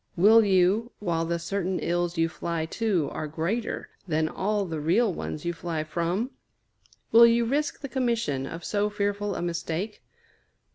Will you, while the certain ills you fly to are greater than all the real ones you fly from? Will you risk the commission of so fearful a mistake?